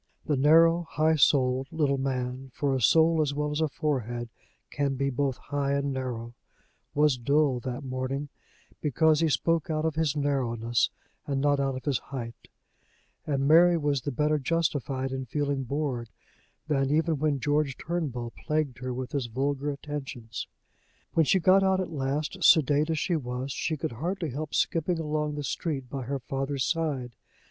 The narrow, high souled little man for a soul as well as a forehead can be both high and narrow was dull that morning because he spoke out of his narrowness, and not out of his height; and Mary was better justified in feeling bored than even when George Turnbull plagued her with his vulgar attentions. When she got out at last, sedate as she was, she could hardly help skipping along the street by her father's side.